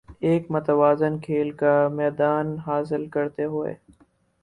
ایک متوازن کھیل کا میدان حاصل کرتے ہوے